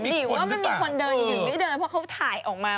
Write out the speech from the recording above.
ว่าไม่มีคนเดินหรือเดินแต่พอเขาถ่ายออกมา